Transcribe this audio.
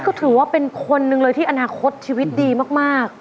ก็ถือว่าเป็นคนหนึ่งเลยที่อนาคตชีวิตดีมาก